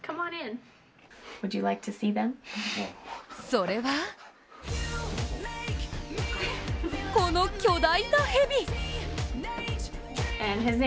それはこの巨大な蛇。